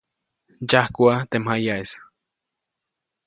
Ndsyajkuʼa teʼ mjayaʼis.